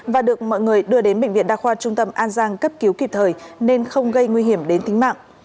và được mọi người đưa đến bệnh viện đa khoa trung tâm an giang cấp cứu kịp thời nên không gây nguy hiểm đến tính mạng